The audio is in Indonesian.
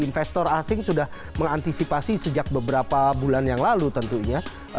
investor asing sudah mengantisipasi sejak beberapa bulan yang lalu tentunya